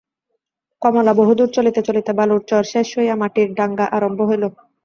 কমলা বহুদূর চলিতে চলিতে বালুর চর শেষ হইয়া মাটির ডাঙা আরম্ভ হইল।